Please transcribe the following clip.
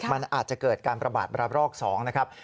มันอาจจะเกิดการประบาดระบรอก๒นะครับ